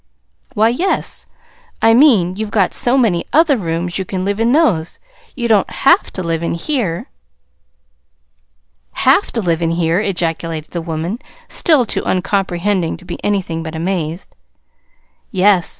"Why, yes. I mean, you've got so many other rooms you can live in those. You don't HAVE to live in here." "'Have to live in here'!" ejaculated the woman, still too uncomprehending to be anything but amazed. "Yes.